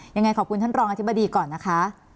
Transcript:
ยังไงขอบคุณท่านรองอธิบดีก่อนนะคะ